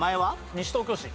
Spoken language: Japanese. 西東京市。